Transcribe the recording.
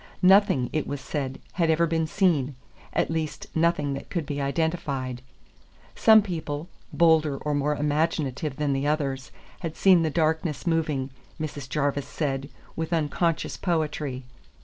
Nothing, it was said, had ever been seen, at least, nothing that could be identified. Some people, bolder or more imaginative than the others, had seen the darkness moving, Mrs. Jarvis said, with unconscious poetry.